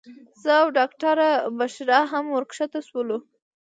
زه او ډاکټره بشرا هم ورښکته شولو.